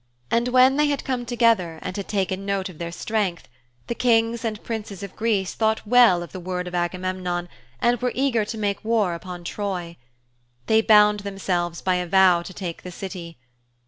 And when they had come together and had taken note of their strength, the Kings and Princes of Greece thought well of the word of Agamemnon and were eager to make war upon Troy. They bound themselves by a vow to take the City.